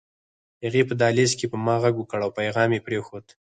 هغې په دهلېز کې په ما غږ وکړ او پيغام يې پرېښود